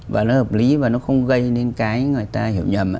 và nó hợp lý và nó không gây đến cái người ta hiểu nhầm